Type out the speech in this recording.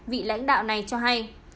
vị lãnh đạo này cho hay